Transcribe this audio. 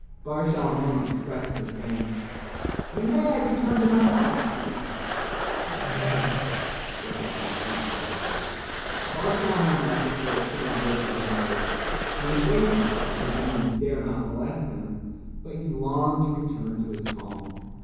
Bar Shalmon expressed his thanks. "When may I return to my home?" he asked. "Never," replied the chief justice. Bar Shalmon left the court, feeling very downhearted. He was safe now. The demons dared not molest him, but he longed to return to his home.